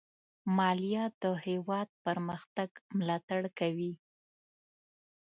مالیه د هېواد پرمختګ ملاتړ کوي.